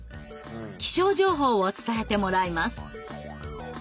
気象情報を伝えてもらいます。